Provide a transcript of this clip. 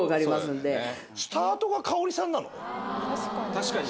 確かに。